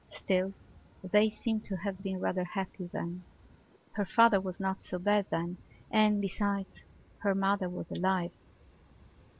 Still they seemed to have been rather happy then. Her father was not so bad then; and besides, her mother was alive.